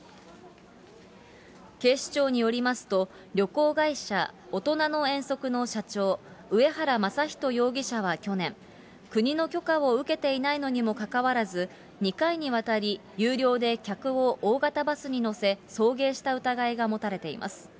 警視庁によりますと、旅行会社、おとなの遠足の社長、上原昌仁容疑者は去年、国の許可を受けていないのにもかかわらず、２回にわたり有料で客を大型バスに乗せ、送迎した疑いが持たれています。